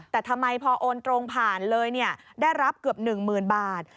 แต่ทำไมพอโอนตรงผ่านเลยได้รับเกือบ๑๐๐๐บาท